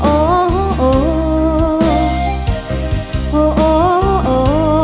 โอ้โห